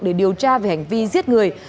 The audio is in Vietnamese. để điều tra về hành vi giết người